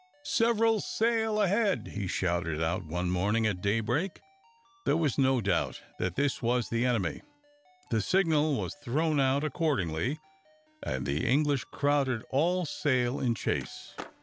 "Several sail ahead!" he shouted out one morning at daybreak. There was no doubt that this was the enemy. The signal was thrown out accordingly, and the English crowded all sail in chase.